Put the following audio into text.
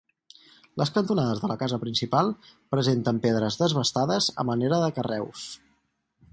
Les cantonades de la casa principal presenten pedres desbastades a manera de carreus.